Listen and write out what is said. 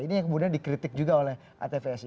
ini yang kemudian dikritik juga oleh atvsi